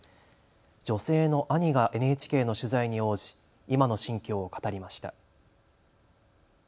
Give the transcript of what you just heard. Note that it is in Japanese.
女性の兄がＮＨＫの取材に応じ今の心境を語りました。